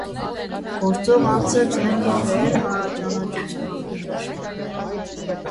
Գործող անձը ձեռք է բերել հանրաճանաչություն ամբողջ աշխարհում։